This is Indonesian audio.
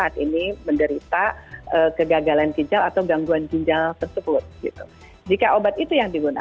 jadi obat yang digunakan oleh single use or kegagalan ginjal itu adalah bata bagian